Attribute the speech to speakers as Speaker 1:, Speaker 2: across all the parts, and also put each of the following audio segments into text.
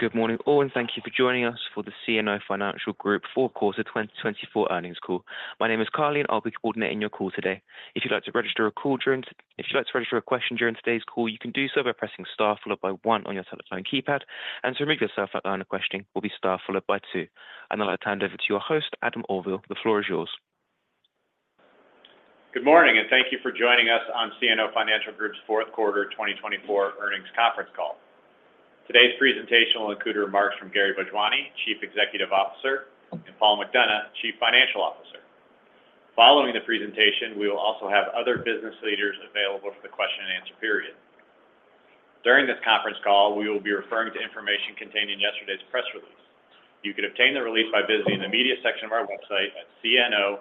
Speaker 1: Good morning, all, and thank you for joining us for the CNO Financial Group Q4 2024 earnings call. My name is Carly, and I'll be coordinating your call today. If you'd like to register a question during today's call, you can do so by pressing star followed by one on your telephone keypad, and to remove yourself from the line of questioning, press star followed by two. I'd now like to hand over to your host, Adam Auvil. The floor is yours.
Speaker 2: Good morning, and thank you for joining us on CNO Financial Group's Q4 2024 earnings conference call. Today's presentation will include remarks from Gary Bhojwani, Chief Executive Officer, and Paul McDonough, Chief Financial Officer. Following the presentation, we will also have other business leaders available for the question-and-answer period. During this conference call, we will be referring to information contained in yesterday's press release. You can obtain the release by visiting the media section of our website at cno.com.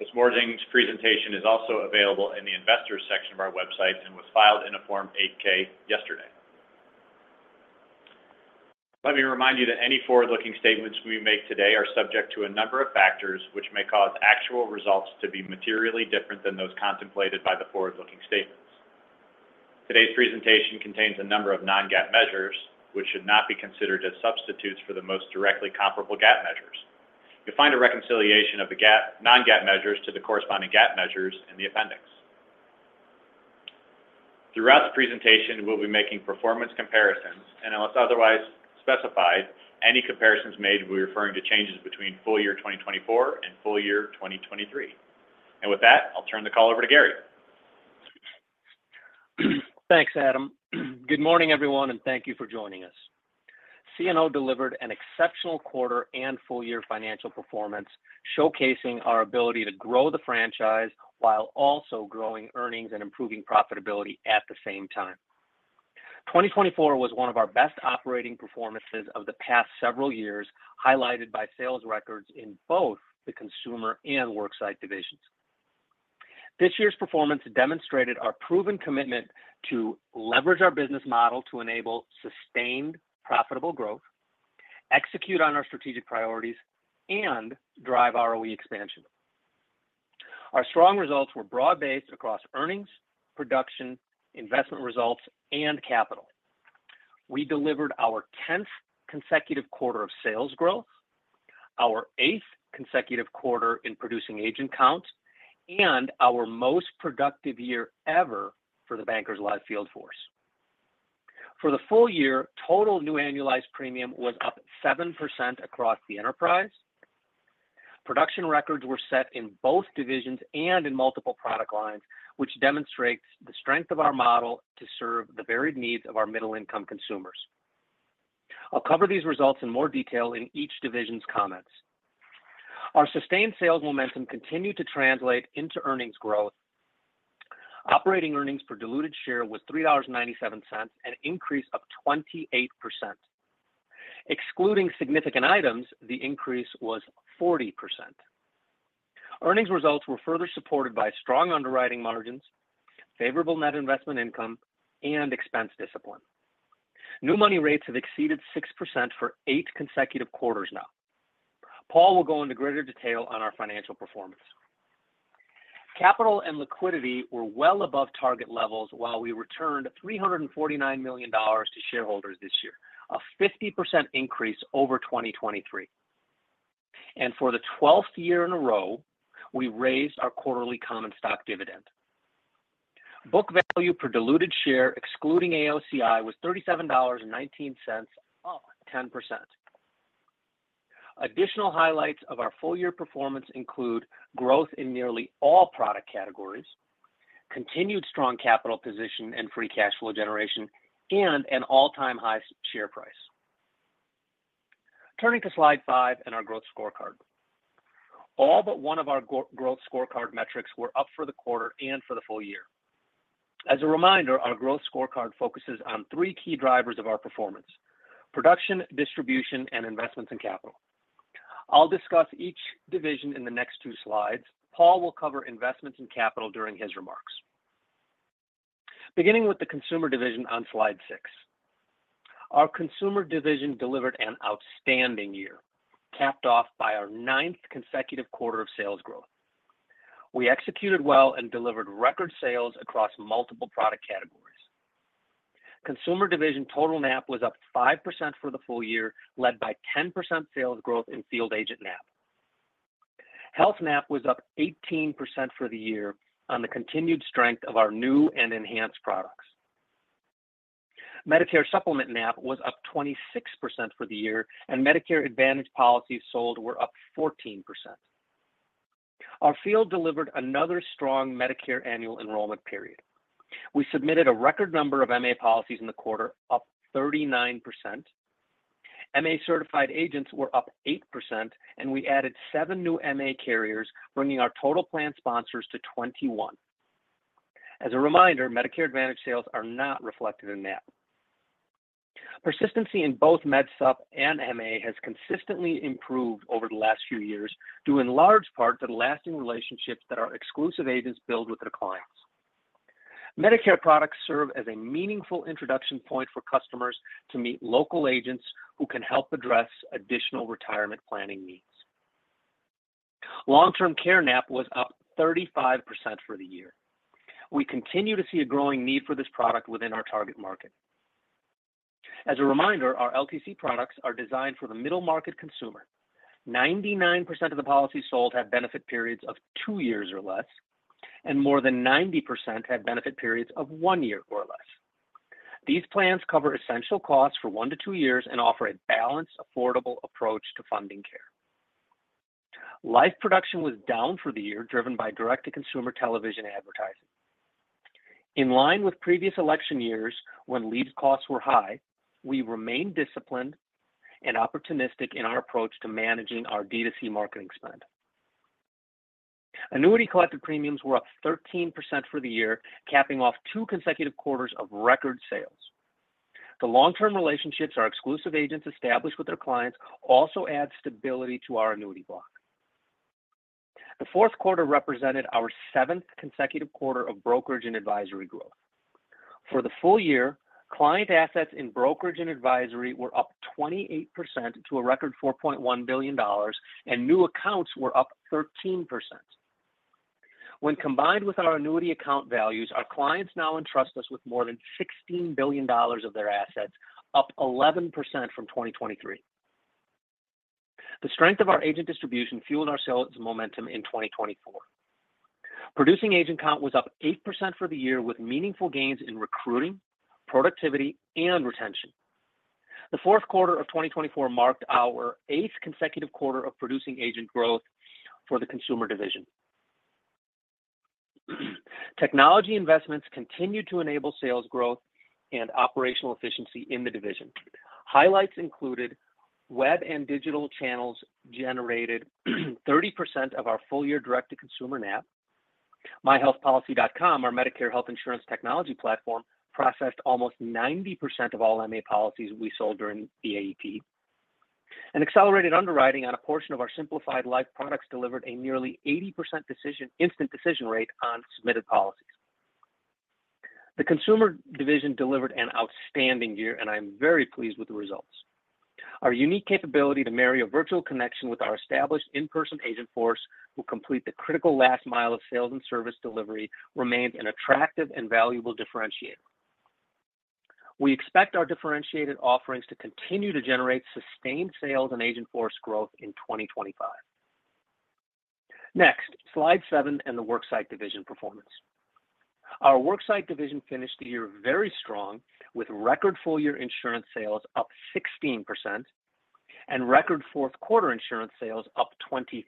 Speaker 2: This morning's presentation is also available in the investors' section of our website and was filed in a Form 8-K yesterday. Let me remind you that any forward-looking statements we make today are subject to a number of factors which may cause actual results to be materially different than those contemplated by the forward-looking statements. Today's presentation contains a number of non-GAAP measures which should not be considered as substitutes for the most directly comparable GAAP measures. You'll find a reconciliation of the non-GAAP measures to the corresponding GAAP measures in the appendix. Throughout the presentation, we'll be making performance comparisons, and unless otherwise specified, any comparisons made will be referring to changes between full year 2024 and full year 2023, and with that, I'll turn the call over to Gary.
Speaker 3: Thanks, Adam. Good morning, everyone, and thank you for joining us. CNO delivered an exceptional quarter and full year financial performance, showcasing our ability to grow the franchise while also growing earnings and improving profitability at the same time. 2024 was one of our best operating performances of the past several years, highlighted by sales records in both the consumer and Worksite divisions. This year's performance demonstrated our proven commitment to leverage our business model to enable sustained profitable growth, execute on our strategic priorities, and drive ROE expansion. Our strong results were broad-based across earnings, production, investment results, and capital. We delivered our 10th consecutive quarter of sales growth, our eighth consecutive quarter in producing agent count, and our most productive year ever for the Bankers Life Field Force. For the full year, total new annualized premium was up 7% across the enterprise. Production records were set in both divisions and in multiple product lines, which demonstrates the strength of our model to serve the varied needs of our middle-income consumers. I'll cover these results in more detail in each division's comments. Our sustained sales momentum continued to translate into earnings growth. Operating earnings per diluted share was $3.97, an increase of 28%. Excluding significant items, the increase was 40%. Earnings results were further supported by strong underwriting margins, favorable net investment income, and expense discipline. New money rates have exceeded 6% for eight consecutive quarters now. Paul will go into greater detail on our financial performance. Capital and liquidity were well above target levels while we returned $349 million to shareholders this year, a 50% increase over 2023, and for the 12th year in a row, we raised our quarterly common stock dividend. Book value per diluted share, excluding AOCI, was $37.19, up 10%. Additional highlights of our full year performance include growth in nearly all product categories, continued strong capital position and free cash flow generation, and an all-time high share price. Turning to slide five and our growth scorecard. All but one of our growth scorecard metrics were up for the quarter and for the full year. As a reminder, our growth scorecard focuses on three key drivers of our performance: production, distribution, and investments in capital. I'll discuss each division in the next two slides. Paul will cover investments in capital during his remarks. Beginning with the Consumer Division on slide six, our Consumer Division delivered an outstanding year, capped off by our ninth consecutive quarter of sales growth. We executed well and delivered record sales across multiple product categories. Consumer division total NAP was up 5% for the full year, led by 10% sales growth in field agent NAP. Health NAP was up 18% for the year on the continued strength of our new and enhanced products. Medicare supplement NAP was up 26% for the year, and Medicare Advantage policies sold were up 14%. Our field delivered another strong Medicare annual enrollment period. We submitted a record number of MA policies in the quarter, up 39%. MA certified agents were up 8%, and we added seven new MA carriers, bringing our total plan sponsors to 21. As a reminder, Medicare Advantage sales are not reflected in NAP. Persistency in both Med Supp sub and MA has consistently improved over the last few years due in large part to the lasting relationships that our exclusive agents build with their clients. Medicare products serve as a meaningful introduction point for customers to meet local agents who can help address additional retirement planning needs. Long-term care NAP was up 35% for the year. We continue to see a growing need for this product within our target market. As a reminder, our LTC products are designed for the middle-market consumer. 99% of the policies sold have benefit periods of two years or less, and more than 90% have benefit periods of one year or less. These plans cover essential costs for one to two years and offer a balanced, affordable approach to funding care. Life production was down for the year, driven by direct-to-consumer television advertising. In line with previous election years, when lead costs were high, we remained disciplined and opportunistic in our approach to managing our D2C marketing spend. Annuity collective premiums were up 13% for the year, capping off two consecutive quarters of record sales. The long-term relationships our exclusive agents establish with their clients also add stability to our annuity block. The Q4 represented our seventh consecutive quarter of brokerage and advisory growth. For the full year, client assets in brokerage and advisory were up 28% to a record $4.1 billion, and new accounts were up 13%. When combined with our annuity account values, our clients now entrust us with more than $16 billion of their assets, up 11% from 2023. The strength of our agent distribution fueled our sales momentum in 2024. Producing agent count was up 8% for the year, with meaningful gains in recruiting, productivity, and retention. The Q4 of 2024 marked our eighth consecutive quarter of producing agent growth for the consumer division. Technology investments continued to enable sales growth and operational efficiency in the division. Highlights included web and digital channels generated 30% of our full year direct-to-consumer NAP, and accelerated underwriting on a portion of our simplified life products delivered a nearly 80% instant decision rate on submitted policies. MyHealthPolicy.com, our Medicare health insurance technology platform, processed almost 90% of all MA policies we sold during the AEP. The consumer division delivered an outstanding year, and I'm very pleased with the results. Our unique capability to marry a virtual connection with our established in-person agent force, who complete the critical last mile of sales and service delivery, remains an attractive and valuable differentiator. We expect our differentiated offerings to continue to generate sustained sales and agent force growth in 2025. Next, slide seven, and the Worksite Division performance. Our Worksite Division finished the year very strong, with record full year insurance sales up 16% and record Q4 insurance sales up 23%.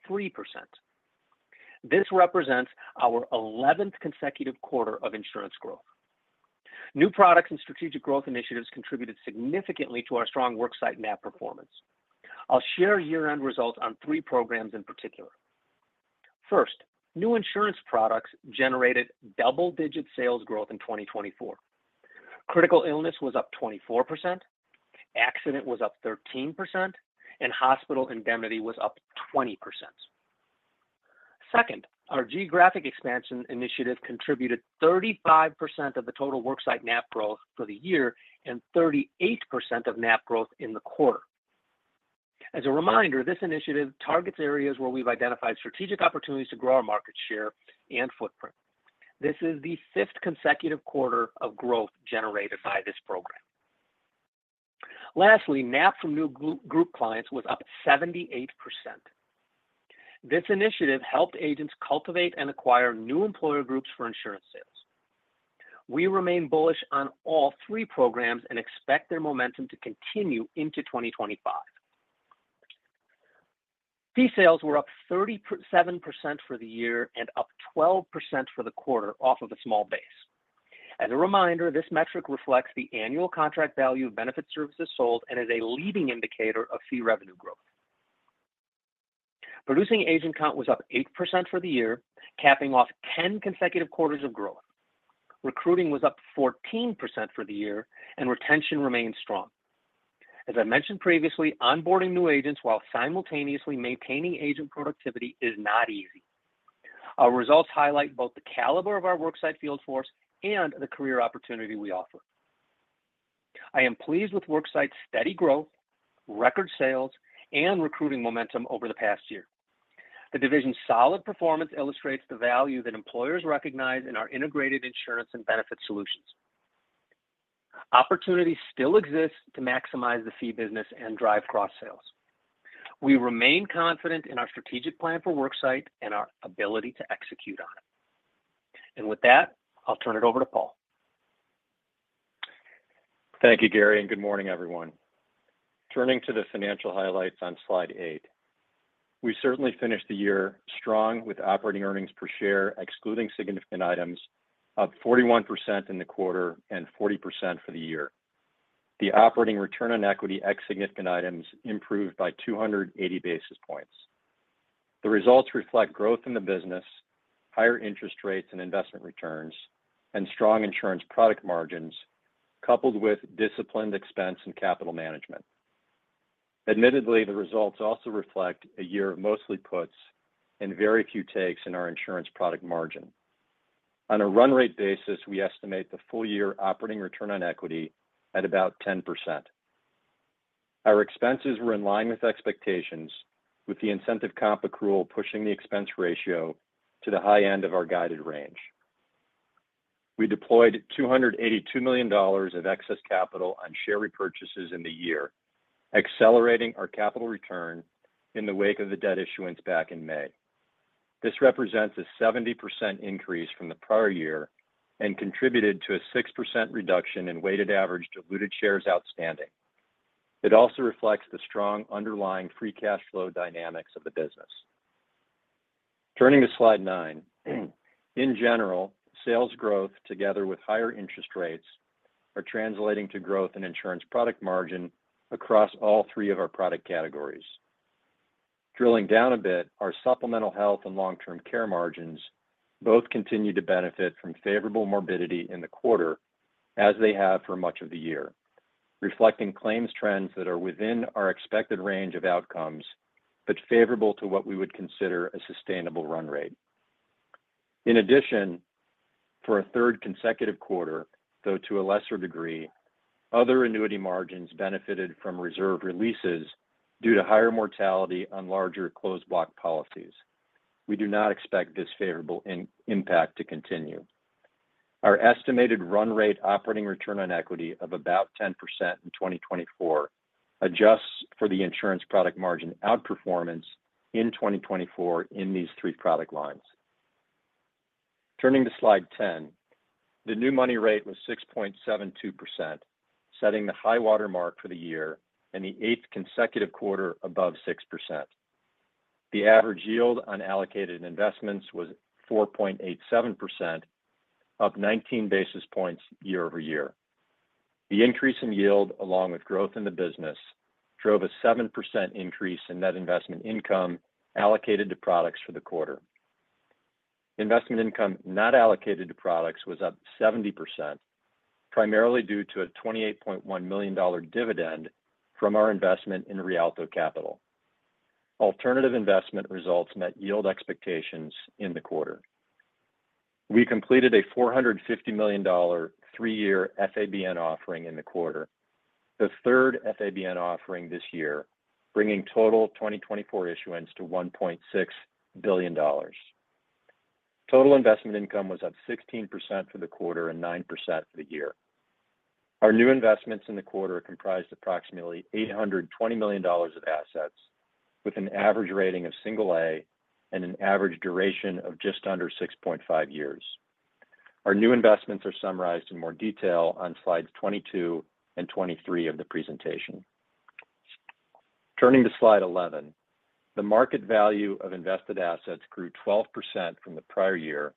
Speaker 3: This represents our 11th consecutive quarter of insurance growth. New products and strategic growth initiatives contributed significantly to our strong worksite NAP performance. I'll share year-end results on three programs in particular. First, new insurance products generated double-digit sales growth in 2024. Critical illness was up 24%, accident was up 13%, and hospital indemnity was up 20%. Second, our geographic expansion initiative contributed 35% of the total worksite NAP growth for the year and 38% of NAP growth in the quarter. As a reminder, this initiative targets areas where we've identified strategic opportunities to grow our market share and footprint. This is the fifth consecutive quarter of growth generated by this program. Lastly, NAP from new group clients was up 78%. This initiative helped agents cultivate and acquire new employer groups for insurance sales. We remain bullish on all three programs and expect their momentum to continue into 2025. Fee sales were up 37% for the year and up 12% for the quarter, off of a small base. As a reminder, this metric reflects the annual contract value of benefit services sold and is a leading indicator of fee revenue growth. Producing agent count was up 8% for the year, capping off 10 consecutive quarters of growth. Recruiting was up 14% for the year, and retention remained strong. As I mentioned previously, onboarding new agents while simultaneously maintaining agent productivity is not easy. Our results highlight both the caliber of our worksite field force and the career opportunity we offer. I am pleased with worksite's steady growth, record sales, and recruiting momentum over the past year. The division's solid performance illustrates the value that employers recognize in our integrated insurance and benefit solutions. Opportunity still exists to maximize the fee business and drive cross-sales. We remain confident in our strategic plan for worksite and our ability to execute on it. And with that, I'll turn it over to Paul.
Speaker 4: Thank you, Gary, and good morning, everyone. Turning to the financial highlights on slide eight, we certainly finished the year strong with operating earnings per share, excluding significant items, up 41% in the quarter and 40% for the year. The operating return on equity ex significant items improved by 280 basis points. The results reflect growth in the business, higher interest rates and investment returns, and strong insurance product margins, coupled with disciplined expense and capital management. Admittedly, the results also reflect a year of mostly puts and very few takes in our insurance product margin. On a run rate basis, we estimate the full year operating return on equity at about 10%. Our expenses were in line with expectations, with the incentive comp accrual pushing the expense ratio to the high end of our guided range. We deployed $282 million of excess capital on share repurchases in the year, accelerating our capital return in the wake of the debt issuance back in May. This represents a 70% increase from the prior year and contributed to a 6% reduction in weighted average diluted shares outstanding. It also reflects the strong underlying free cash flow dynamics of the business. Turning to slide nine, in general, sales growth together with higher interest rates are translating to growth in insurance product margin across all three of our product categories. Drilling down a bit, our supplemental health and long-term care margins both continue to benefit from favorable morbidity in the quarter as they have for much of the year, reflecting claims trends that are within our expected range of outcomes, but favorable to what we would consider a sustainable run rate. In addition, for a third consecutive quarter, though to a lesser degree, other annuity margins benefited from reserve releases due to higher mortality on larger closed-block policies. We do not expect this favorable impact to continue. Our estimated run rate operating return on equity of about 10% in 2024 adjusts for the insurance product margin outperformance in 2024 in these three product lines. Turning to slide 10, the new money rate was 6.72%, setting the high watermark for the year and the eighth consecutive quarter above 6%. The average yield on allocated investments was 4.87%, up 19 basis points year over year. The increase in yield, along with growth in the business, drove a 7% increase in net investment income allocated to products for the quarter. Investment income not allocated to products was up 70%, primarily due to a $28.1 million dividend from our investment in Rialto Capital. Alternative investment results met yield expectations in the quarter. We completed a $450 million three-year FABN offering in the quarter, the third FABN offering this year, bringing total 2024 issuance to $1.6 billion. Total investment income was up 16% for the quarter and 9% for the year. Our new investments in the quarter comprised approximately $820 million of assets, with an average rating of Single-A and an average duration of just under 6.5 years. Our new investments are summarized in more detail on slides 22 and 23 of the presentation. Turning to slide 11, the market value of invested assets grew 12% from the prior year,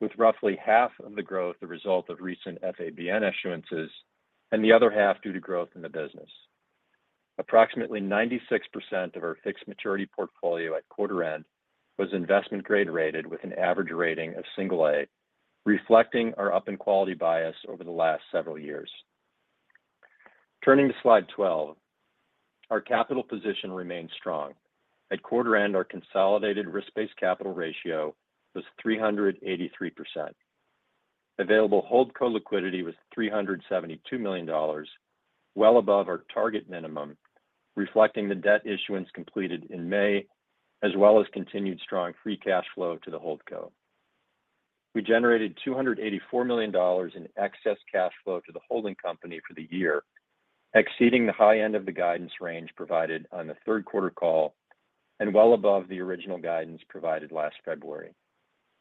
Speaker 4: with roughly half of the growth the result of recent FABN issuances and the other half due to growth in the business. Approximately 96% of our fixed maturity portfolio at quarter end was investment-grade rated with an average rating of Single-A, reflecting our up in quality bias over the last several years. Turning to slide 12, our capital position remained strong. At quarter end, our consolidated risk-based capital ratio was 383%. Available HoldCo-liquidity was $372 million, well above our target minimum, reflecting the debt issuance completed in May, as well as continued strong free cash flow to the HoldCo. We generated $284 million in excess cash flow to the holding company for the year, exceeding the high end of the guidance range provided on the Q3 call and well above the original guidance provided last February.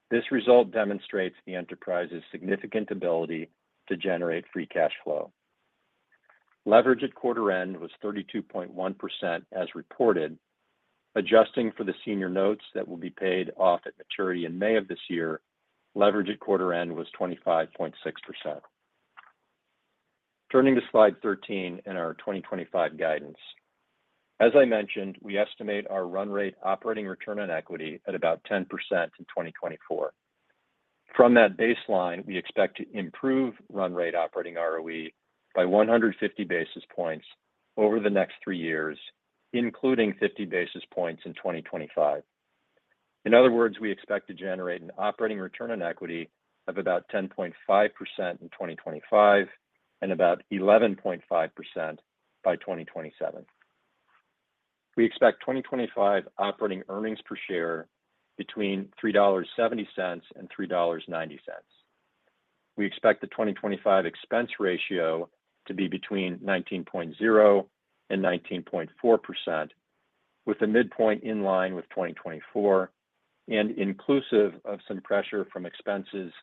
Speaker 4: This result demonstrates the enterprise's significant ability to generate free cash flow. Leverage at quarter end was 32.1% as reported, adjusting for the senior notes that will be paid off at maturity in May of this year. Leverage at quarter end was 25.6%. Turning to slide 13 in our 2025 guidance. As I mentioned, we estimate our run rate operating return on equity at about 10% in 2024. From that baseline, we expect to improve run rate operating ROE by 150 basis points over the next three years, including 50 basis points in 2025. In other words, we expect to generate an operating return on equity of about 10.5% in 2025 and about 11.5% by 2027. We expect 2025 operating earnings per share between $3.70 and $3.90. We expect the 2025 expense ratio to be between 19.0% and 19.4%, with the midpoint in line with 2024 and inclusive of some pressure from expenses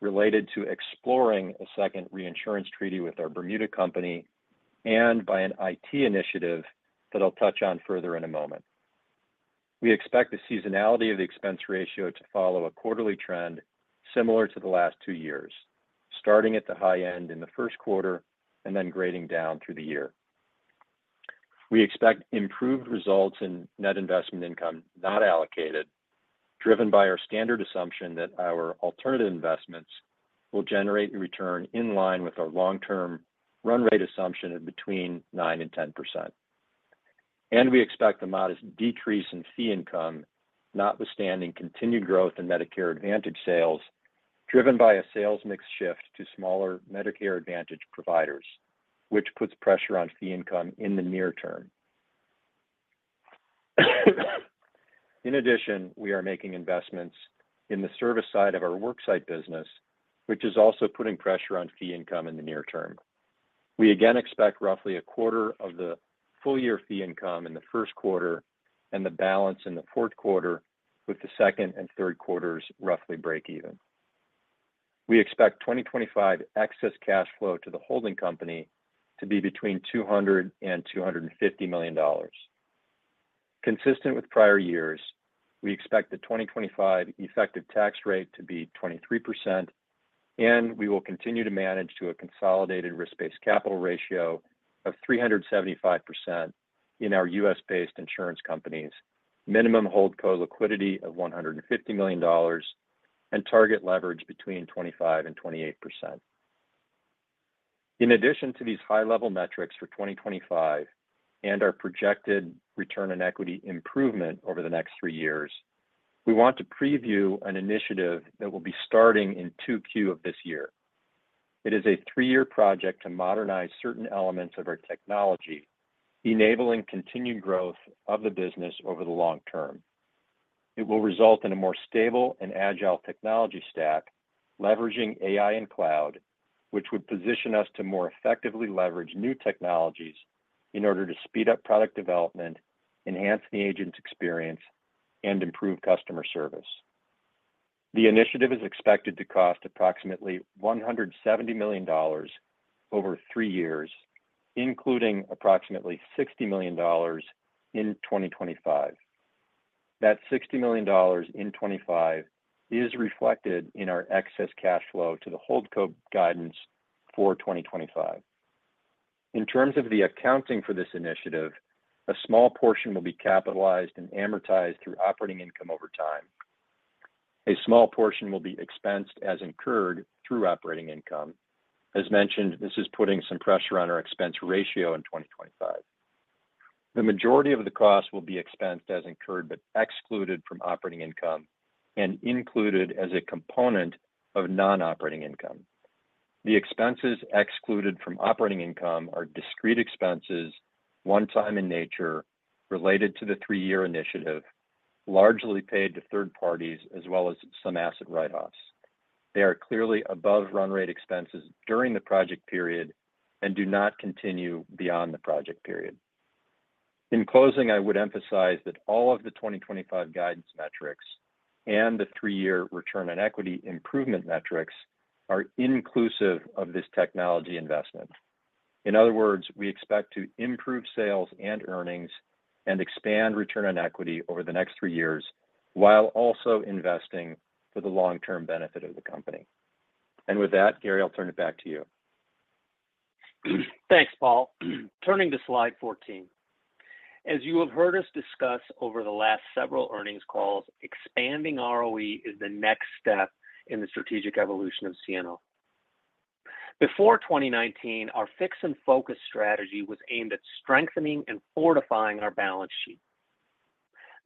Speaker 4: related to exploring a second reinsurance treaty with our Bermuda company and by an IT initiative that I'll touch on further in a moment. We expect the seasonality of the expense ratio to follow a quarterly trend similar to the last two years, starting at the high end in the Q1 and then grading down through the year. We expect improved results in net investment income not allocated, driven by our standard assumption that our alternative investments will generate a return in line with our long-term run rate assumption of between 9% and 10%. We expect a modest decrease in fee income notwithstanding continued growth in Medicare Advantage sales, driven by a sales mix shift to smaller Medicare Advantage providers, which puts pressure on fee income in the near term. In addition, we are making investments in the service side of our worksite business, which is also putting pressure on fee income in the near term. We again expect roughly a quarter of the full year fee income in the Q1 and the balance in the Q4, with the second and Q3 is roughly break even. We expect 2025 excess cash flow to the holding company to be between $200 to 250 million. Consistent with prior years, we expect the 2025 effective tax rate to be 23%, and we will continue to manage to a consolidated risk-based capital ratio of 375% in our US-based insurance companies, minimum hold co-liquidity of $150 million, and target leverage between 25% and 28%. In addition to these high-level metrics for 2025 and our projected return on equity improvement over the next three years, we want to preview an initiative that will be starting in Q2 of this year. It is a three-year project to modernize certain elements of our technology, enabling continued growth of the business over the long term. It will result in a more stable and agile technology stack, leveraging AI and cloud, which would position us to more effectively leverage new technologies in order to speed up product development, enhance the agent's experience, and improve customer service. The initiative is expected to cost approximately $170 million over three years, including approximately $60 million in 2025. That $60 million in 2025 is reflected in our excess cash flow to the holdco guidance for 2025. In terms of the accounting for this initiative, a small portion will be capitalized and amortized through operating income over time. A small portion will be expensed as incurred through operating income. As mentioned, this is putting some pressure on our expense ratio in 2025. The majority of the cost will be expensed as incurred but excluded from operating income and included as a component of non-operating income. The expenses excluded from operating income are discrete expenses, one-time in nature, related to the three-year initiative, largely paid to third parties as well as some asset write-offs. They are clearly above run rate expenses during the project period and do not continue beyond the project period. In closing, I would emphasize that all of the 2025 guidance metrics and the three-year return on equity improvement metrics are inclusive of this technology investment. In other words, we expect to improve sales and earnings and expand return on equity over the next three years while also investing for the long-term benefit of the company. And with that, Gary, I'll turn it back to you.
Speaker 3: Thanks, Paul. Turning to slide 14. As you have heard us discuss over the last several earnings calls, expanding ROE is the next step in the strategic evolution of CNO. Before 2019, our fix and focus strategy was aimed at strengthening and fortifying our balance sheet.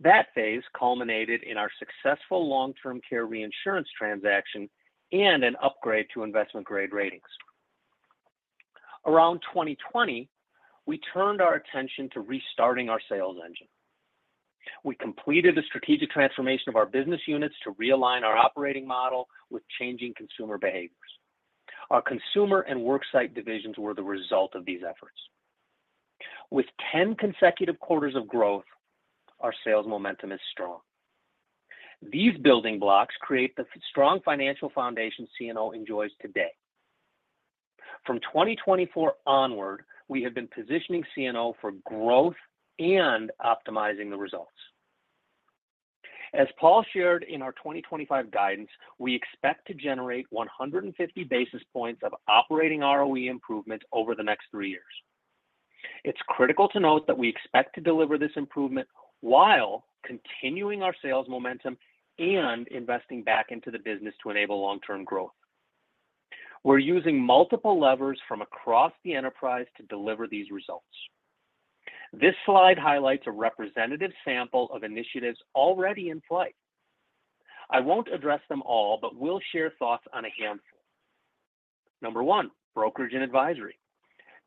Speaker 3: That phase culminated in our successful long-term care reinsurance transaction and an upgrade to investment-grade ratings. Around 2020, we turned our attention to restarting our sales engine. We completed the strategic transformation of our business units to realign our operating model with changing consumer behaviors. Our consumer and worksite divisions were the result of these efforts. With 10 consecutive quarters of growth, our sales momentum is strong. These building blocks create the strong financial foundation CNO enjoys today. From 2024 onward, we have been positioning CNO for growth and optimizing the results. As Paul shared in our 2025 guidance, we expect to generate 150 basis points of operating ROE improvement over the next three years. It's critical to note that we expect to deliver this improvement while continuing our sales momentum and investing back into the business to enable long-term growth. We're using multiple levers from across the enterprise to deliver these results. This slide highlights a representative sample of initiatives already in play. I won't address them all, but we'll share thoughts on a handful. Number one, brokerage and advisory.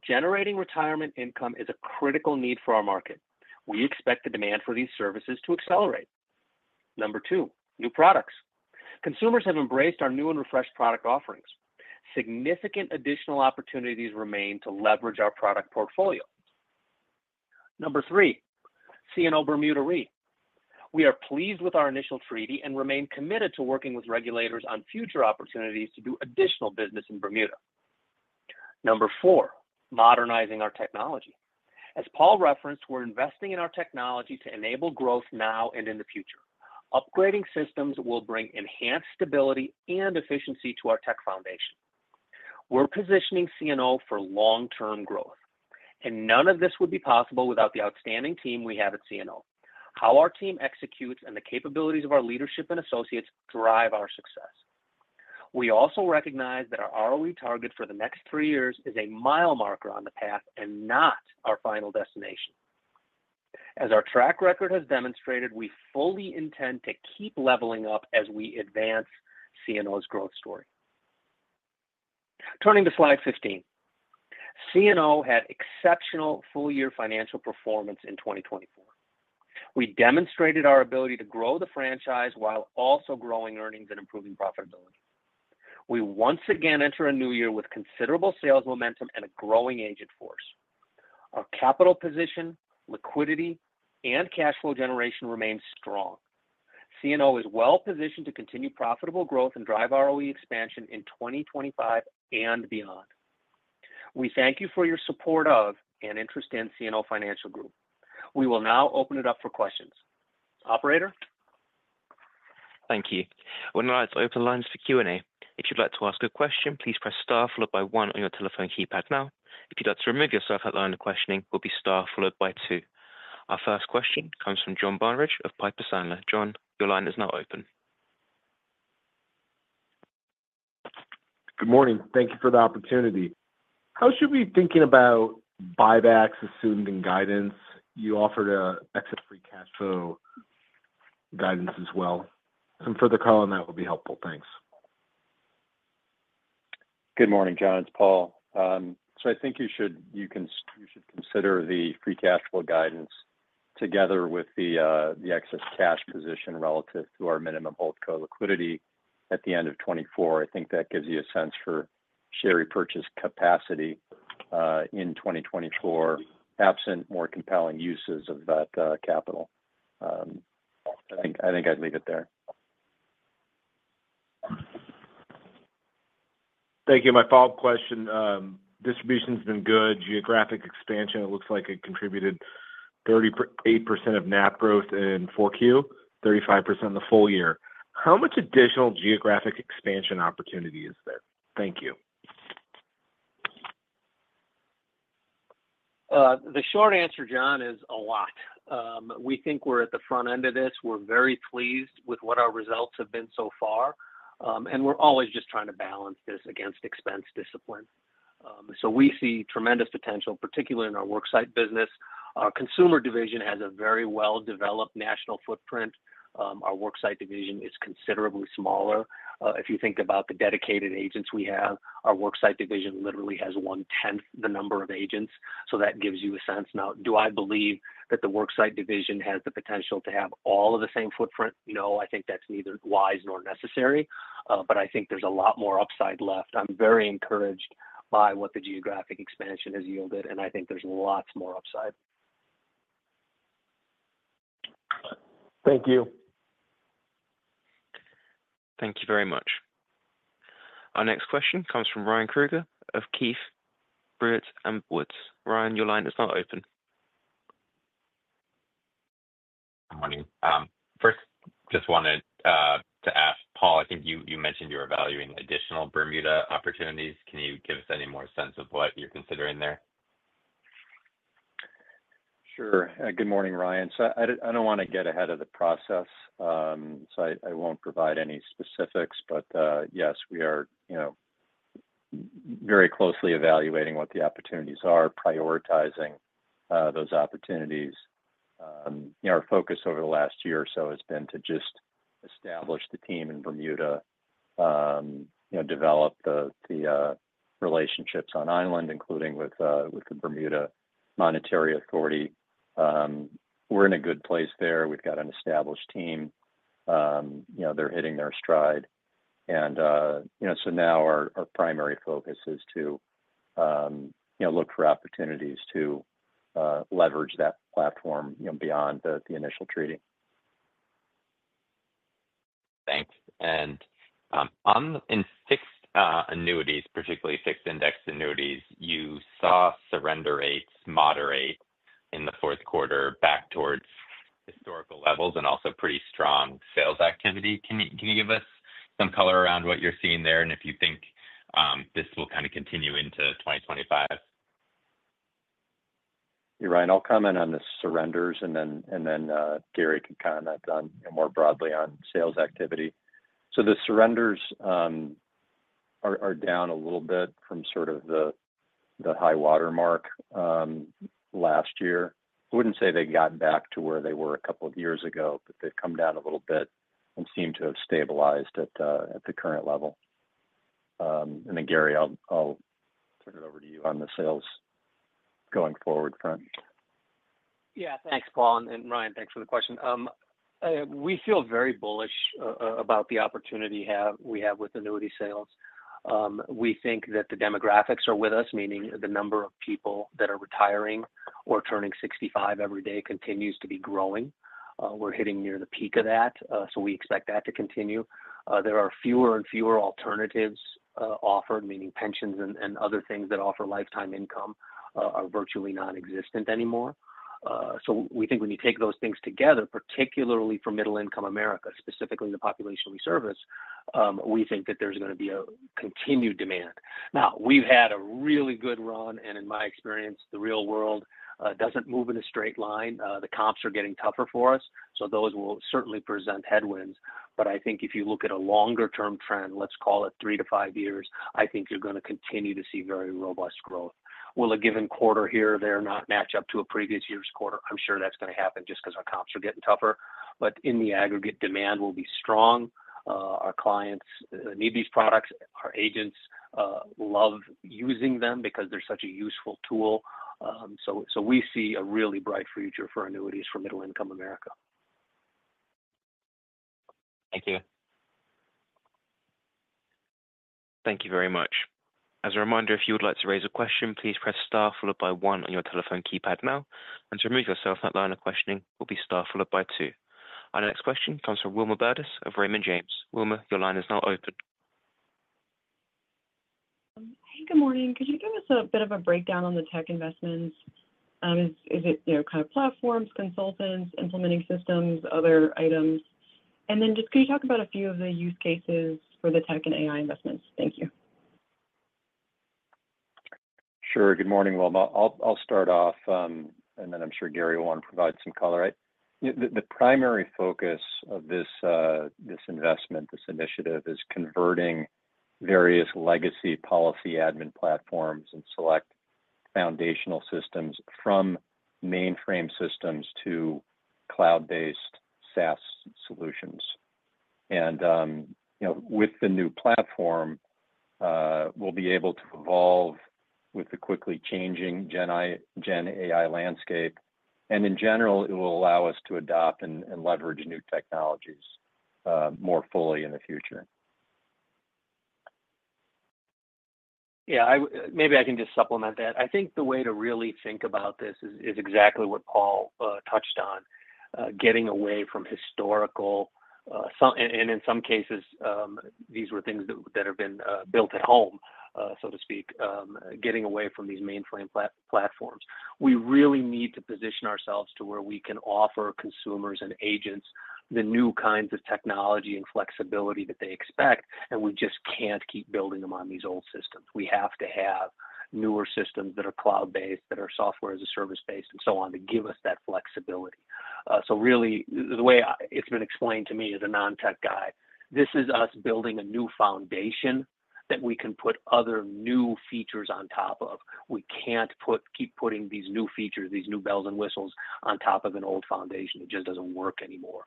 Speaker 3: Generating retirement income is a critical need for our market. We expect the demand for these services to accelerate. Number two, new products. Consumers have embraced our new and refreshed product offerings. Significant additional opportunities remain to leverage our product portfolio. Number three, CNO Bermuda Re. We are pleased with our initial treaty and remain committed to working with regulators on future opportunities to do additional business in Bermuda. Number four, modernizing our technology. As Paul referenced, we're investing in our technology to enable growth now and in the future. Upgrading systems will bring enhanced stability and efficiency to our tech foundation. We're positioning CNO for long-term growth, and none of this would be possible without the outstanding team we have at CNO. How our team executes and the capabilities of our leadership and associates drive our success. We also recognize that our ROE target for the next three years is a mile marker on the path and not our final destination. As our track record has demonstrated, we fully intend to keep leveling up as we advance CNO's growth story. Turning to slide 15. CNO had exceptional full-year financial performance in 2024. We demonstrated our ability to grow the franchise while also growing earnings and improving profitability. We once again enter a new year with considerable sales momentum and a growing agent force. Our capital position, liquidity, and cash flow generation remain strong. CNO is well positioned to continue profitable growth and drive ROE expansion in 2025 and beyond. We thank you for your support of and interest in CNO Financial Group. We will now open it up for questions. Operator?
Speaker 1: Thank you. We're now at the open lines for Q&A. If you'd like to ask a question, please press star followed by one on your telephone keypad now. If you'd like to remove yourself from the line of questioning, it will be star followed by two. Our first question comes from John Barnidge of Piper Sandler. John, your line is now open.
Speaker 5: Good morning. Thank you for the opportunity. How should we be thinking about buybacks assumed in guidance? You offered an exit free cash flow guidance as well. Some further color on that will be helpful. Thanks.
Speaker 4: Good morning, John. It's Paul. So I think you should consider the free cash flow guidance together with the excess cash position relative to our minimum hold co-liquidity at the end of 2024. I think that gives you a sense for share repurchase capacity in 2024, absent more compelling uses of that capital. I think I'd leave it there.
Speaker 5: Thank you. My follow-up question. Distribution has been good. Geographic expansion, it looks like it contributed 38% of NAP growth in Q4, 35% in the full year. How much additional geographic expansion opportunity is there? Thank you.
Speaker 3: The short answer, John, is a lot. We think we're at the front end of this. We're very pleased with what our results have been so far. And we're always just trying to balance this against expense discipline. So we see tremendous potential, particularly in our worksite business. Our consumer division has a very well-developed national footprint. Our worksite division is considerably smaller. If you think about the dedicated agents we have, our worksite division literally has one-tenth the number of agents. So that gives you a sense. Now, do I believe that the worksite division has the potential to have all of the same footprint? No, I think that's neither wise nor necessary. But I think there's a lot more upside left. I'm very encouraged by what the geographic expansion has yielded, and I think there's lots more upside.
Speaker 5: Thank you.
Speaker 1: Thank you very much. Our next question comes from Ryan Krueger of Keefe, Bruyette and Woods. Ryan, your line is now open.
Speaker 6: Good morning. First, just wanted to ask, Paul, I think you mentioned you're evaluating additional Bermuda opportunities. Can you give us any more sense of what you're considering there?
Speaker 4: Sure. Good morning, Ryan. So I don't want to get ahead of the process, so I won't provide any specifics. But yes, we are very closely evaluating what the opportunities are, prioritizing those opportunities. Our focus over the last year or so has been to just establish the team in Bermuda, develop the relationships on island, including with the Bermuda Monetary Authority. We're in a good place there. We've got an established team. They're hitting their stride, and so now our primary focus is to look for opportunities to leverage that platform beyond the initial treaty.
Speaker 6: Thanks and in fixed annuities, particularly fixed index annuities, you saw surrender rates moderate in the Q4 back towards historical levels and also pretty strong sales activity. Can you give us some color around what you're seeing there and if you think this will kind of continue into 2025?
Speaker 4: You're right. I'll comment on the surrenders, and then Gary can comment more broadly on sales activity. So the surrenders are down a little bit from sort of the high watermark last year. I wouldn't say they got back to where they were a couple of years ago, but they've come down a little bit and seem to have stabilized at the current level. And then, Gary, I'll turn it over to you on the sales going forward front.
Speaker 3: Yeah. Thanks, Paul. And Ryan, thanks for the question. We feel very bullish about the opportunity we have with annuity sales. We think that the demographics are with us, meaning the number of people that are retiring or turning 65 every day continues to be growing. We're hitting near the peak of that, so we expect that to continue. There are fewer and fewer alternatives offered, meaning pensions and other things that offer lifetime income are virtually nonexistent anymore. So we think when you take those things together, particularly for middle-income America, specifically the population we service, we think that there's going to be a continued demand. Now, we've had a really good run, and in my experience, the real world doesn't move in a straight line. The comps are getting tougher for us, so those will certainly present headwinds. But I think if you look at a longer-term trend, let's call it three to five years, I think you're going to continue to see very robust growth. Will a given quarter here or there not match up to a previous year's quarter? I'm sure that's going to happen just because our comps are getting tougher. But in the aggregate, demand will be strong. Our clients need these products. Our agents love using them because they're such a useful tool. So we see a really bright future for annuities for middle-income America.
Speaker 6: Thank you.
Speaker 1: Thank you very much. As a reminder, if you would like to raise a question, please press star followed by one on your telephone keypad now, and to remove yourself from the line of questioning, it will be star followed by two. Our next question comes from Wilma Burdis of Raymond James. Wilma, your line is now open.
Speaker 7: Hey, good morning. Could you give us a bit of a breakdown on the tech investments? Is it kind of platforms, consultants, implementing systems, other items? And then just could you talk about a few of the use cases for the tech and AI investments? Thank you.
Speaker 4: Sure. Good morning. I'll start off, and then I'm sure Gary will want to provide some color. The primary focus of this investment, this initiative, is converting various legacy policy admin platforms and select foundational systems from mainframe systems to cloud-based SaaS solutions, and with the new platform, we'll be able to evolve with the quickly changing Gen AI landscape, and in general, it will allow us to adopt and leverage new technologies more fully in the future.
Speaker 3: Yeah. Maybe I can just supplement that. I think the way to really think about this is exactly what Paul touched on, getting away from historical. And in some cases, these were things that have been built at home, so to speak, getting away from these mainframe platforms. We really need to position ourselves to where we can offer consumers and agents the new kinds of technology and flexibility that they expect, and we just can't keep building them on these old systems. We have to have newer systems that are cloud-based, that are software-as-a-service-based, and so on to give us that flexibility. So really, the way it's been explained to me as a non-tech guy, this is us building a new foundation that we can put other new features on top of. We can't keep putting these new features, these new bells and whistles on top of an old foundation. It just doesn't work anymore.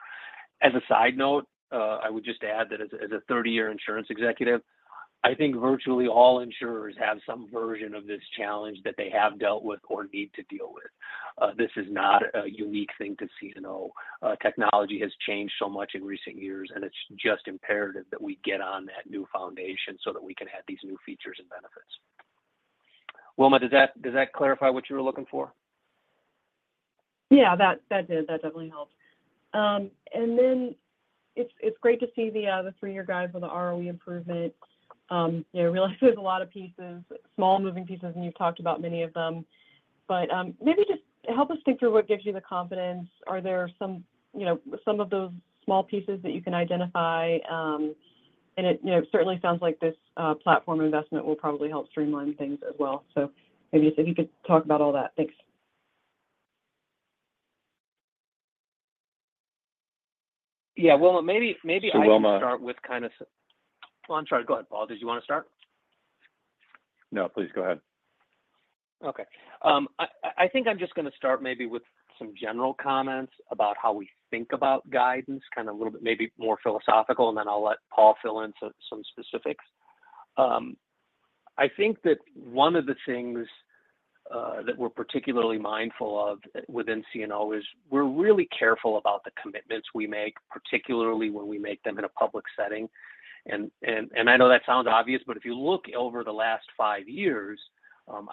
Speaker 3: As a side note, I would just add that as a 30-year insurance executive, I think virtually all insurers have some version of this challenge that they have dealt with or need to deal with. This is not a unique thing to CNO. Technology has changed so much in recent years, and it's just imperative that we get on that new foundation so that we can add these new features and benefits. Wilma, does that clarify what you were looking for?
Speaker 7: Yeah, that did. That definitely helped. And then it's great to see the three-year guide for the ROE improvement. I realize there's a lot of pieces, small moving pieces, and you've talked about many of them. But maybe just help us think through what gives you the confidence. Are there some of those small pieces that you can identify? And it certainly sounds like this platform investment will probably help streamline things as well. So maybe just if you could talk about all that. Thanks.
Speaker 3: Yeah. Wilma, maybe I can start with kind of.
Speaker 4: Wilma.
Speaker 3: I'm sorry. Go ahead, Paul. Did you want to start?
Speaker 4: No, please go ahead.
Speaker 3: Okay. I think I'm just going to start maybe with some general comments about how we think about guidance, kind of a little bit maybe more philosophical, and then I'll let Paul fill in some specifics. I think that one of the things that we're particularly mindful of within CNO is we're really careful about the commitments we make, particularly when we make them in a public setting. And I know that sounds obvious, but if you look over the last five years,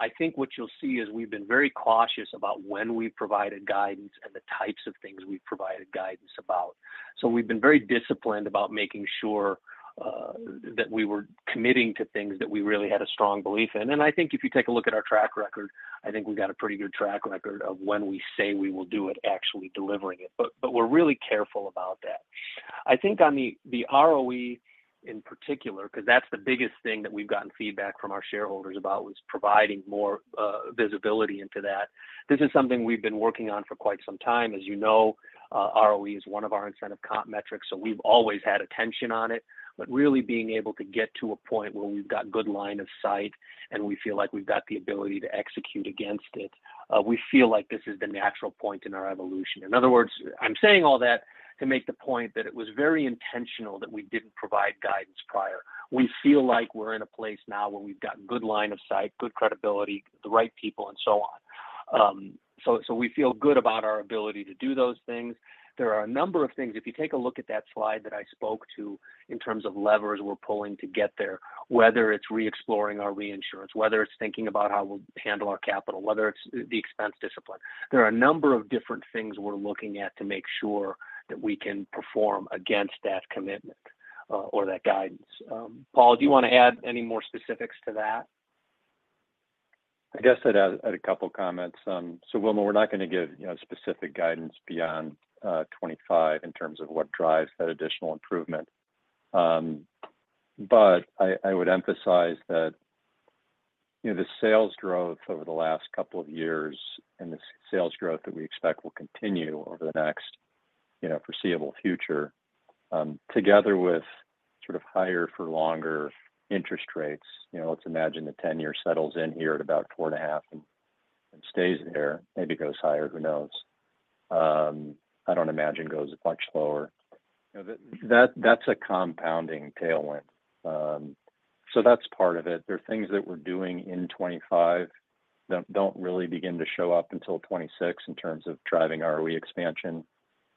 Speaker 3: I think what you'll see is we've been very cautious about when we provided guidance and the types of things we've provided guidance about. So we've been very disciplined about making sure that we were committing to things that we really had a strong belief in. And I think if you take a look at our track record, I think we've got a pretty good track record of when we say we will do it, actually delivering it. But we're really careful about that. I think on the ROE in particular, because that's the biggest thing that we've gotten feedback from our shareholders about, was providing more visibility into that. This is something we've been working on for quite some time. As you know, ROE is one of our incentive comp metrics, so we've always had attention on it. But really being able to get to a point where we've got good line of sight and we feel like we've got the ability to execute against it, we feel like this is the natural point in our evolution. In other words, I'm saying all that to make the point that it was very intentional that we didn't provide guidance prior. We feel like we're in a place now where we've got good line of sight, good credibility, the right people, and so on. So we feel good about our ability to do those things. There are a number of things. If you take a look at that slide that I spoke to in terms of levers we're pulling to get there, whether it's re-exploring our reinsurance, whether it's thinking about how we'll handle our capital, whether it's the expense discipline, there are a number of different things we're looking at to make sure that we can perform against that commitment or that guidance. Paul, do you want to add any more specifics to that?
Speaker 4: I guess I'd add a couple of comments. So, Wilma, we're not going to give specific guidance beyond 2025 in terms of what drives that additional improvement. But I would emphasize that the sales growth over the last couple of years and the sales growth that we expect will continue over the next foreseeable future, together with sort of higher-for-longer interest rates. Let's imagine the 10-year settles in here at about 4.5 and stays there, maybe goes higher, who knows. I don't imagine goes much lower. That's a compounding tailwind. So that's part of it. There are things that we're doing in 2025 that don't really begin to show up until 2026 in terms of driving ROE expansion.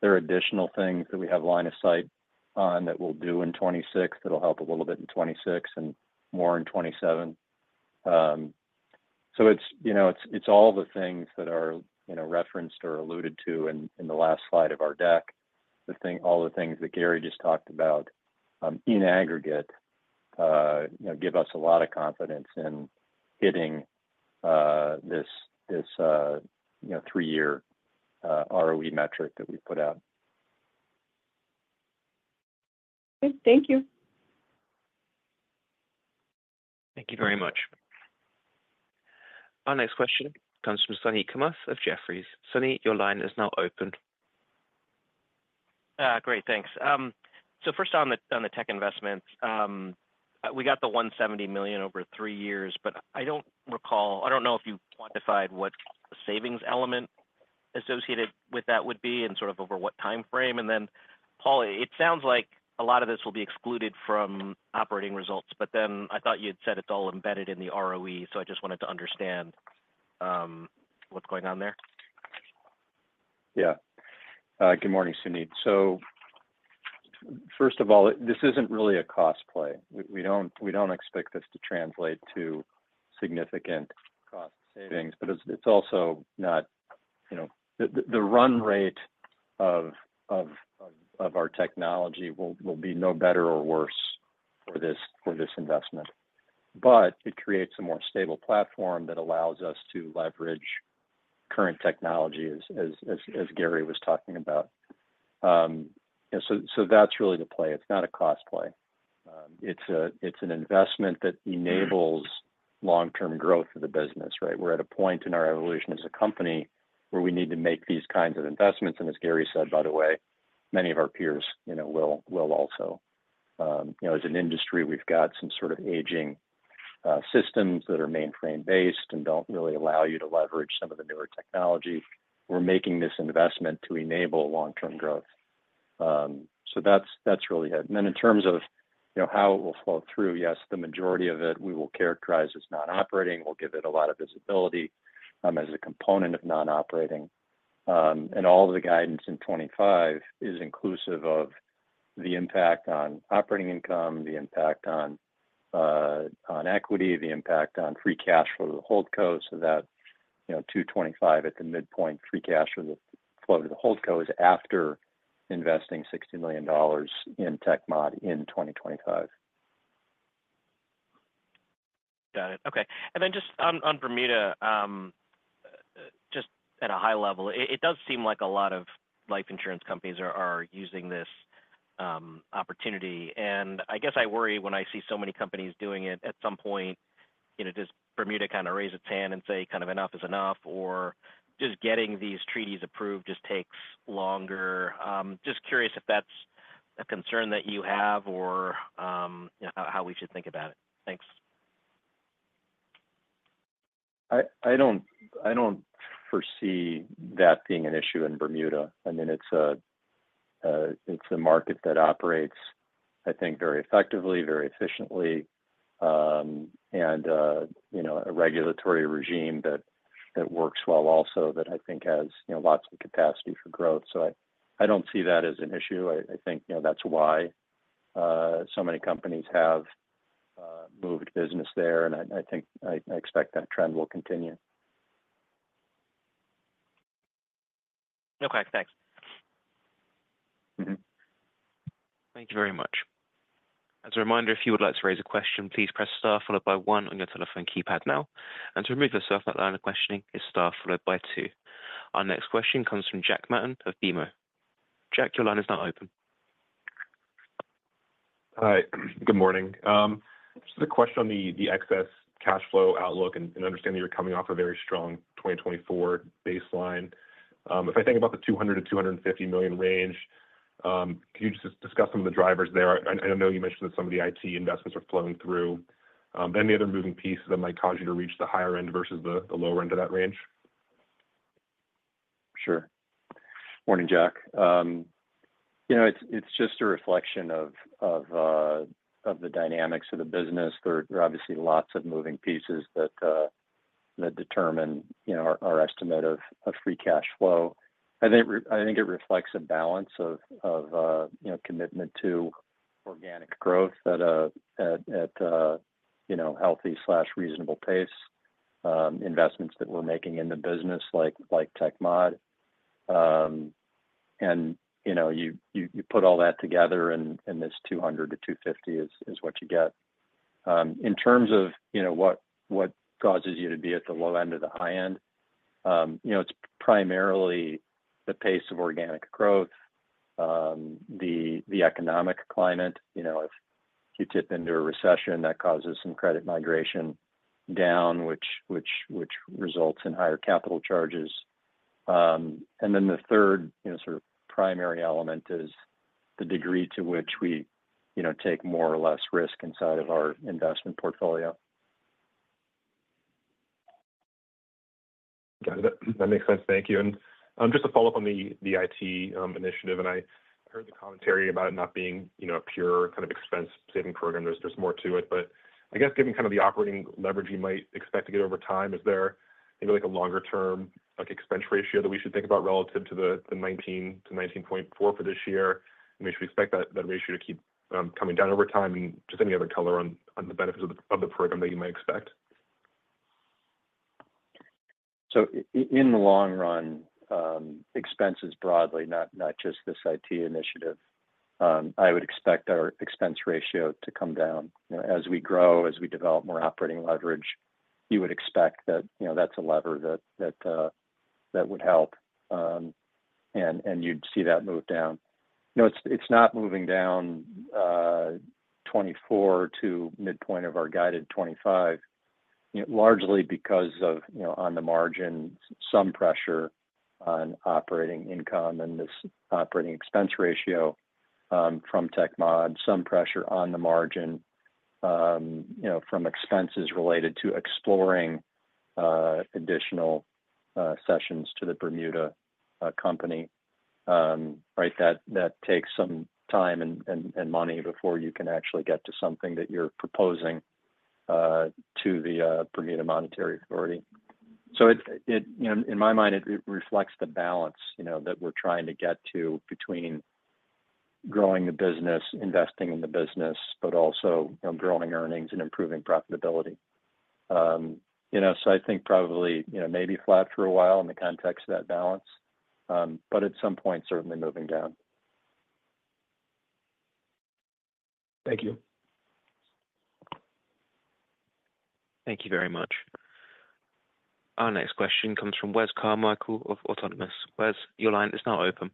Speaker 4: There are additional things that we have line of sight on that we'll do in 2026 that'll help a little bit in 2026 and more in 2027. So it's all the things that are referenced or alluded to in the last slide of our deck. All the things that Gary just talked about in aggregate give us a lot of confidence in hitting this three-year ROE metric that we've put out.
Speaker 7: Thank you.
Speaker 1: Thank you very much. Our next question comes from Suneet Kamath of Jefferies. Suneet, your line is now open.
Speaker 8: Great. Thanks, so first, on the tech investments, we got the $170 million over three years, but I don't recall. I don't know if you quantified what savings element associated with that would be and sort of over what time frame and then, Paul, it sounds like a lot of this will be excluded from operating results, but then I thought you had said it's all embedded in the ROE, so I just wanted to understand what's going on there.
Speaker 4: Yeah. Good morning, Sunny. So first of all, this isn't really a cost play. We don't expect this to translate to significant cost savings, but it's also not the run rate of our technology will be no better or worse for this investment. But it creates a more stable platform that allows us to leverage current technology, as Gary was talking about. So that's really the play. It's not a cost play. It's an investment that enables long-term growth of the business, right? We're at a point in our evolution as a company where we need to make these kinds of investments. And as Gary said, by the way, many of our peers will also. As an industry, we've got some sort of aging systems that are mainframe-based and don't really allow you to leverage some of the newer technology. We're making this investment to enable long-term growth. That's really it. Then in terms of how it will flow through, yes, the majority of it we will characterize as non-operating. We'll give it a lot of visibility as a component of non-operating. And all of the guidance in 2025 is inclusive of the impact on operating income, the impact on equity, the impact on free cash flow to the holdco, so that $225 million at the midpoint free cash flow to the holdco after investing $60 million in tech modernization in 2025.
Speaker 8: Got it. Okay. And then just on Bermuda, just at a high level, it does seem like a lot of life insurance companies are using this opportunity. And I guess I worry when I see so many companies doing it, at some point, does Bermuda kind of raise its hand and say, "Kind of enough is enough," or just getting these treaties approved just takes longer? Just curious if that's a concern that you have or how we should think about it. Thanks.
Speaker 4: I don't foresee that being an issue in Bermuda. I mean, it's a market that operates, I think, very effectively, very efficiently, and a regulatory regime that works well also that I think has lots of capacity for growth. So I don't see that as an issue. I think that's why so many companies have moved business there, and I think I expect that trend will continue.
Speaker 8: Okay. Thanks.
Speaker 1: Thank you very much. As a reminder, if you would like to raise a question, please press star followed by one on your telephone keypad now. And to remove yourself, that line of questioning is star followed by two. Our next question comes from Jack Martin of BMO. Jack, your line is now open.
Speaker 9: Hi. Good morning. Just a question on the excess cash flow outlook and understanding you're coming off a very strong 2024 baseline. If I think about the $200 million to 250 million range, could you just discuss some of the drivers there? I know you mentioned that some of the IT investments are flowing through. Then the other moving pieces that might cause you to reach the higher end versus the lower end of that range.
Speaker 4: Sure. Morning, Jack. It's just a reflection of the dynamics of the business. There are obviously lots of moving pieces that determine our estimate of free cash flow. I think it reflects a balance of commitment to organic growth at healthy, reasonable pace, investments that we're making in the business like tech mod. And you put all that together, and this $200 million to 250 million is what you get. In terms of what causes you to be at the low end or the high end, it's primarily the pace of organic growth, the economic climate. If you tip into a recession, that causes some credit migration down, which results in higher capital charges. And then the third sort of primary element is the degree to which we take more or less risk inside of our investment portfolio.
Speaker 9: Got it. That makes sense. Thank you. And just to follow up on the IT initiative, and I heard the commentary about it not being a pure kind of expense-saving program. There's more to it. But I guess given kind of the operating leverage you might expect to get over time, is there maybe a longer-term expense ratio that we should think about relative to the 19% to 19.4% for this year? And we should expect that ratio to keep coming down over time. And just any other color on the benefits of the program that you might expect?
Speaker 4: So in the long run, expenses broadly, not just this IT initiative, I would expect our expense ratio to come down. As we grow, as we develop more operating leverage, you would expect that that's a lever that would help, and you'd see that move down. It's not moving down 2024 to midpoint of our guided 2025, largely because of, on the margin, some pressure on operating income and this operating expense ratio from tech mod, some pressure on the margin from expenses related to exploring additional cessions to the Bermuda company, right? That takes some time and money before you can actually get to something that you're proposing to the Bermuda Monetary Authority. So in my mind, it reflects the balance that we're trying to get to between growing the business, investing in the business, but also growing earnings and improving profitability. So I think probably maybe flat for a while in the context of that balance, but at some point, certainly moving down.
Speaker 9: Thank you.
Speaker 1: Thank you very much. Our next question comes from Wes Carmichael of Autonomous. Wes, your line is now open.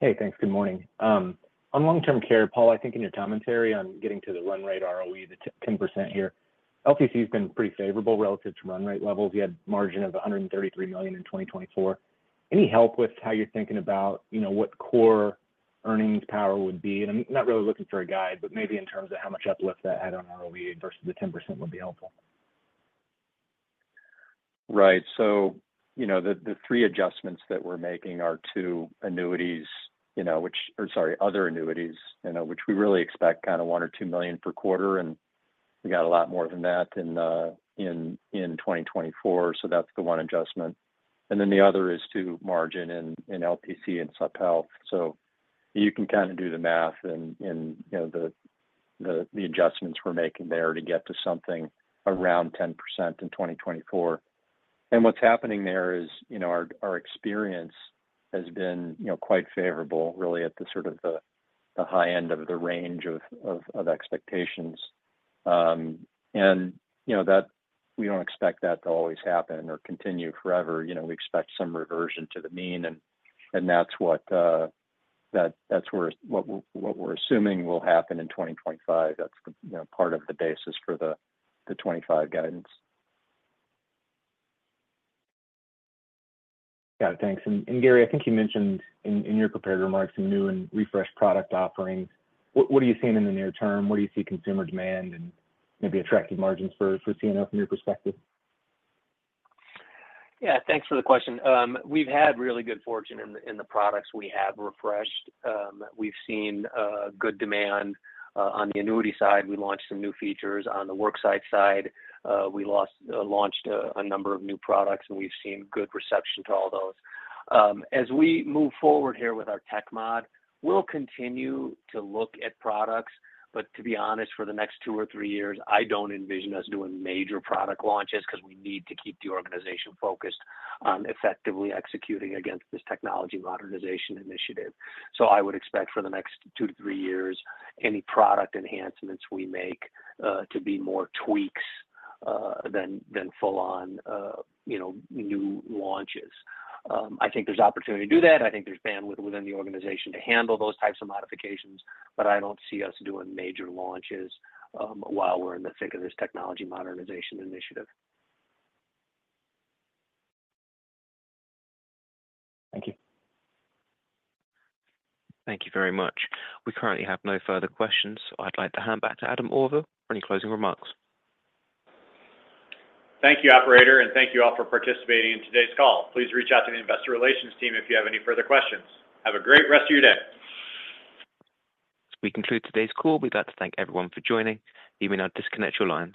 Speaker 10: Hey, thanks. Good morning. On long-term care, Paul, I think in your commentary on getting to the run rate ROE, the 10% here, LTC has been pretty favorable relative to run rate levels. You had a margin of $133 million in 2024. Any help with how you're thinking about what core earnings power would be? And I'm not really looking for a guide, but maybe in terms of how much uplift that had on ROE versus the 10% would be helpful.
Speaker 4: Right. So the three adjustments that we're making are to annuities, which are sorry, other annuities, which we really expect kind of $1 million or $2 million per quarter, and we got a lot more than that in 2024. So that's the one adjustment. And then the other is to margin in LTC and Supp Health. So you can kind of do the math and the adjustments we're making there to get to something around 10% in 2024. And what's happening there is our experience has been quite favorable, really, at the sort of the high end of the range of expectations. And we don't expect that to always happen or continue forever. We expect some reversion to the mean, and that's where what we're assuming will happen in 2025. That's part of the basis for the 2025 guidance.
Speaker 10: Got it. Thanks. And Gary, I think you mentioned in your prepared remarks some new and refreshed product offerings. What are you seeing in the near term? Where do you see consumer demand and maybe attractive margins for CNO from your perspective?
Speaker 3: Yeah. Thanks for the question. We've had really good fortune in the products we have refreshed. We've seen good demand on the annuity side. We launched some new features. On the worksite side, we launched a number of new products, and we've seen good reception to all those. As we move forward here with our tech mod, we'll continue to look at products. But to be honest, for the next two or three years, I don't envision us doing major product launches because we need to keep the organization focused on effectively executing against this technology modernization initiative. So I would expect for the next two to three years, any product enhancements we make to be more tweaks than full-on new launches. I think there's opportunity to do that. I think there's bandwidth within the organization to handle those types of modifications, but I don't see us doing major launches while we're in the thick of this technology modernization initiative.
Speaker 10: Thank you.
Speaker 1: Thank you very much. We currently have no further questions. I'd like to hand back to Adam Auvil for any closing remarks.
Speaker 2: Thank you, operator, and thank you all for participating in today's call. Please reach out to the Investor Relations team if you have any further questions. Have a great rest of your day.
Speaker 1: As we conclude today's call, we'd like to thank everyone for joining. You may now disconnect your lines.